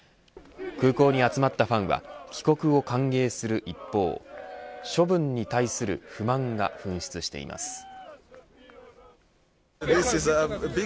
空港に集まったファンは帰国を歓迎する一方処分に対する不満が噴出しています。